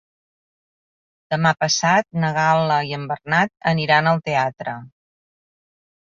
Demà passat na Gal·la i en Bernat aniran al teatre.